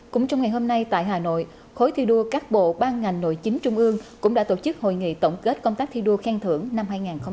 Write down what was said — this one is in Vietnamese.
cũng trong ngày hôm nay tại hà nội khối thi đua các bộ ban ngành nội chính trung ương cũng đã tổ chức hội nghị tổng kết công tác thi đua khen thưởng năm hai nghìn hai mươi